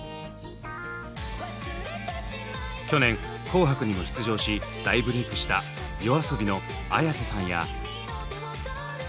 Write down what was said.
去年紅白にも出場し大ブレークしたＹＯＡＳＯＢＩのＡｙａｓｅさんや。